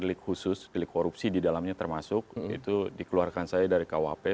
dilik khusus dilik korupsi di dalamnya termasuk itu dikeluarkan saya dari rkuhp